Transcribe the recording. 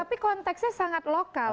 tapi konteksnya sangat lokal